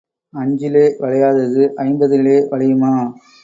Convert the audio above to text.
அஞ்சிலே வளையாதது ஐம்பதிலே வளையுமா?